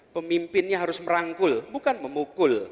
pemimpinnya harus merangkul bukan memukul